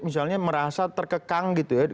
misalnya merasa terkekang gitu ya